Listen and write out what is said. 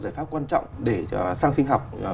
giải pháp quan trọng để cho xăng sinh học